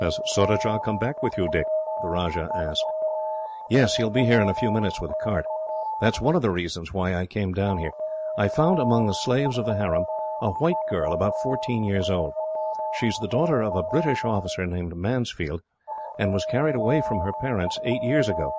"Has Surajah come back with you, Dick?" the Rajah asked. "Yes. He will be here in a few minutes, with a cart. That is one of the reasons why I came down here. I found, among the slaves of the harem, a white girl about fourteen years old. She is the daughter of a British officer named Mansfield, and was carried away from her parents, eight years ago.